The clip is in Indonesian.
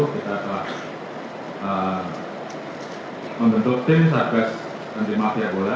kita telah membentuk tim sarjas anti matiabola